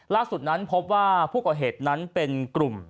ล่าสุดนั้นพบว่าผู้ก่อเหตุนั้นเป็นกลุ่ม